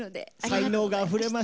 才能があふれました。